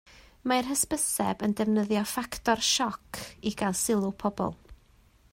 Mae'r hysbyseb yn defnyddio ffactor sioc i gael sylw pobl